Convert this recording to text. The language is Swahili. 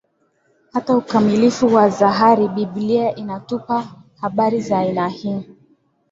hata ukamilifu wa dhahari Biblia inatupa habari za aina hii